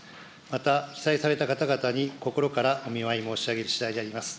また被災された方々に心からお見舞い申し上げるしだいであります。